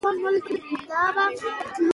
دښتې له تکنالوژۍ سره تړاو لري.